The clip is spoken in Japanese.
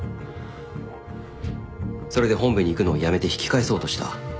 それで本部に行くのをやめて引き返そうとした。